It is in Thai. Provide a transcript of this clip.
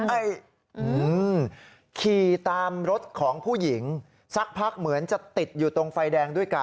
ขี่ตามรถของผู้หญิงสักพักเหมือนจะติดอยู่ตรงไฟแดงด้วยกัน